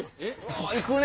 わ行くね！